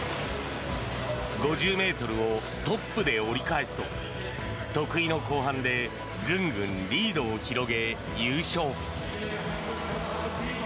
５０ｍをトップで折り返すと得意の後半でぐんぐんリードを広げ、優勝。